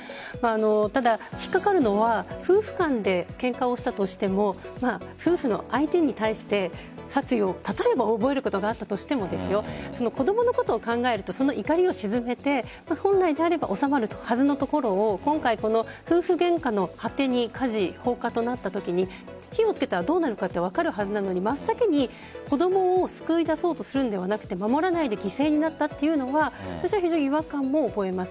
ただ、引っ掛かるのは夫婦間でケンカをしたとしても夫婦の相手に対して殺意を覚えることがあったとしても子供のことを考えるとその怒りを静めて本来であれば収まるはずのところを今回、夫婦ゲンカの果てに火事、放火となったときに火をつけたらどうなるかって分かるはずなのに真っ先に子供を救い出そうとするのではなくて守らないで犠牲になったというのは私は非常に違和感を覚えます。